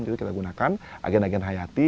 jadi kita gunakan agen agen hayati